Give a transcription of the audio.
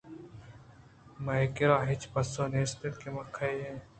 مئے کر ءَ ھچ پسو نیست کہ ما کَے ایں